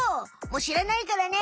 もう知らないからね！